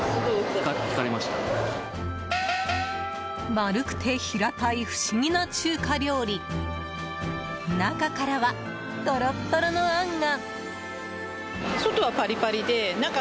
丸くて平たい不思議な中華料理中からはトロットロのあんが！